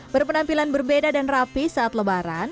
berpenampilan berbeda dan rapi saat lebaran